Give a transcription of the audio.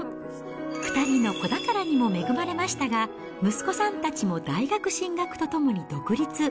２人の子宝にも恵まれましたが、息子さんたちも大学進学とともに独立。